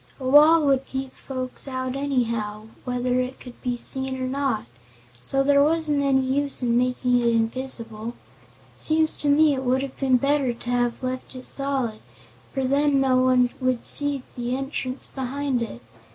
"A wall would keep folks out anyhow, whether it could be seen or not, so there wasn't any use making it invisible. Seems to me it would have been better to have left it solid, for then no one would have seen the entrance behind it.